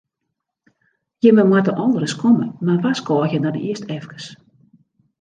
Jimme moatte al ris komme, mar warskôgje dan earst efkes.